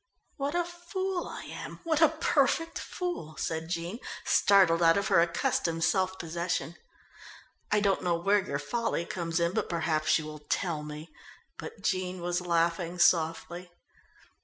"What a fool I am, what a perfect fool!" said Jean, startled out of her accustomed self possession. "I don't quite know where your folly comes in, but perhaps you will tell me," but Jean was laughing softly.